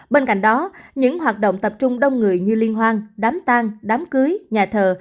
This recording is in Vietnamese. bên cạnh đó những hoạt động tập trung đông người như liên hoan đám tang đám cưới nhà thờ